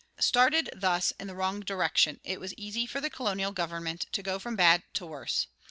Started thus in the wrong direction, it was easy for the colonial government to go from bad to worse.